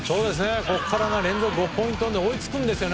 ここからの連続５ポイントで追いつくんですよね。